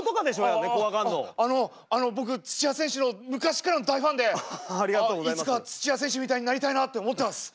あのあの僕土谷選手の昔からの大ファンでいつか土谷選手みたいになりたいなって思ってます。